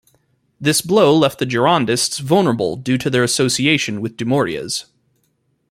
This blow left the Girondists vulnerable due to their association with Dumouriez.